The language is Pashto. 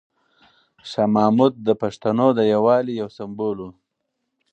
شاه محمود د پښتنو د یووالي یو سمبول و.